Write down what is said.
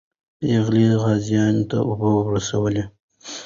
پېغلې غازیانو ته اوبه رسوي.